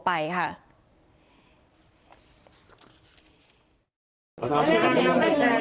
ทีมข่าวเราก็พยายามสอบปากคำในแหบนะครับ